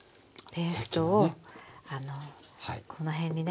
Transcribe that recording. ペーストをあのこの辺にね。